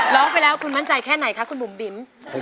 ร้องไปแล้วคุณมั่นใจแค่ไหนคะคุณบุ๋มบิ๋ม